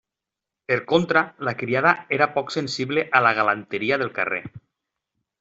Per contra, la criada era poc sensible a la galanteria del carrer.